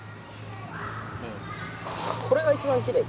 これが一番きれいか？